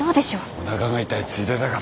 おなかが痛いついでだから。